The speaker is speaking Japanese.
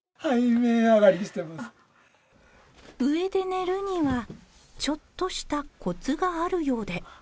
上で寝るにはちょっとしたコツがあるようで。